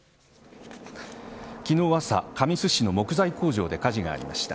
昨日朝、神栖市の木材工場で火事がありました。